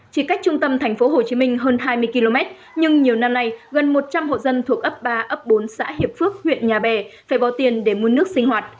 chỉ cách trung tâm thành phố hồ chí minh hơn hai mươi km nhưng nhiều năm nay gần một trăm linh hộ dân thuộc ấp ba ấp bốn xã hiệp phước huyện nhà bè phải bỏ tiền để mua nước sinh hoạt